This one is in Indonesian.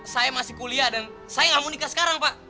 saya masih kuliah dan saya gak mau nikah sekarang pak